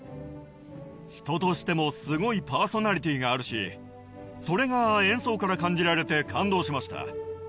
人としてもすごいパーソナリティーがあるしそれが演奏から感じられて感動しました。